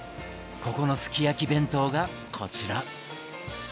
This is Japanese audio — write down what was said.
ここのすき焼き弁当がこちら。